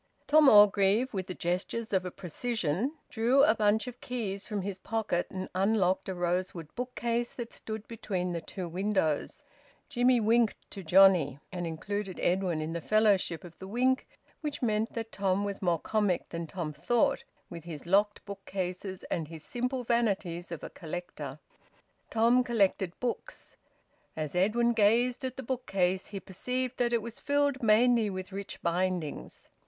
Tom Orgreave, with the gestures of a precisian, drew a bunch of keys from his pocket, and unlocked a rosewood bookcase that stood between the two windows. Jimmie winked to Johnnie, and included Edwin in the fellowship of the wink, which meant that Tom was more comic than Tom thought, with his locked bookcases and his simple vanities of a collector. Tom collected books. As Edwin gazed at the bookcase he perceived that it was filled mainly with rich bindings.